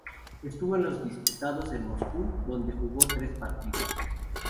Estuvo en los disputados en Moscú, donde jugó tres partidos.